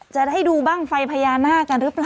จะได้ดูบ้างไฟพญานาคกันหรือเปล่า